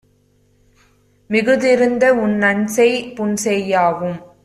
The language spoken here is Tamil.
மிகுத்திருந்த உன்நன்செய், புன்செய்யாவும்